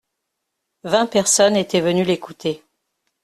Vingt personnes étaient venues l’écouter.